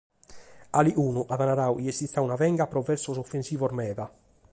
Calicunu at naradu chi est istada una venga pro versos ofensivos meda.